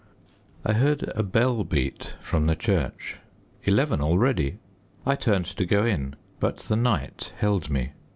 I heard a bell beat from the church. Eleven already! I turned to go in, but the night held me.